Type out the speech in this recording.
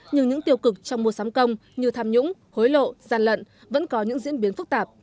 nhưng những tiêu cực trong mùa sắm công như tham nhũng hối lộ gian lận vẫn có những diễn biến phức tạp